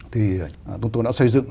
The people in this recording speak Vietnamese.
thì chúng tôi đã xây dựng